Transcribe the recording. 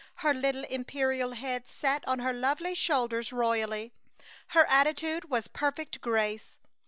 Her little imperial head sat on her lovely shoulders royally, her attitude was perfect grace.